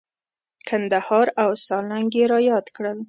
کندهار او سالنګ یې را یاد کړل.